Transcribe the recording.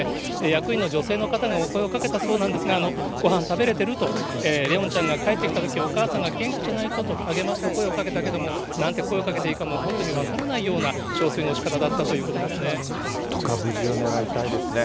役員の女性の方がお声をかけたそうなんですが、ごはん食べれてる？と怜音ちゃんが帰ってきたとき、お母さんが元気じゃないとと励ましの声をかけたけれども、なんと声をかけていいのか本当に分からないような憔悴のしかただなんとか無事を願いたいですね。